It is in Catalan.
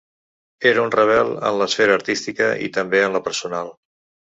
Era un rebel en l’esfera artística i també en la personal.